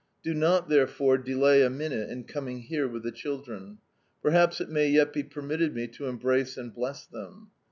Do not, therefore, delay a minute in coming here with the children. Perhaps it may yet be permitted me to embrace and bless them.